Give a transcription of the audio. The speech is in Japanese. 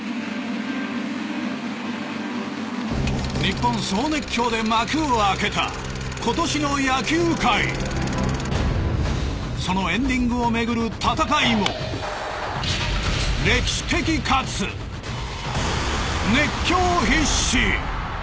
日本、勝熱狂で幕を開けた今年の野球界そのエンディングをめぐる戦いも歴史的かつ熱狂必至。